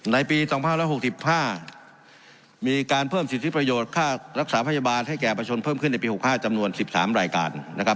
ในปี๒๐๖๕มีการเพิ่มสิทธิประโยชน์ค่ารักษาพยาบาลให้แก่ประชนเพิ่มขึ้นในปี๖๕จำนวน๑๓รายการนะครับ